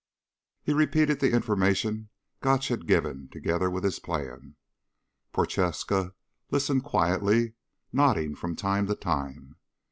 He repeated the information Gotch had given, together with his plan. Prochaska listened quietly, nodding from time to time.